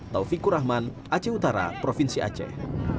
taufikur rahman aceh utara provinsi aceh